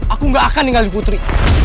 aku gak akan ninggalin putri